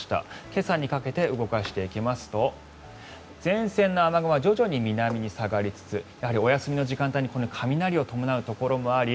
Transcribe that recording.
今朝にかけて動かしていきますと前線の雨雲は徐々に南に下がりつつやはりお休みの時間帯にこのように雷を伴うところもあり